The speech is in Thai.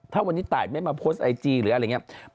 ถ้าวันนี้ตายไม่มาโพสต์ไอจีหรืออะไรอย่างนี้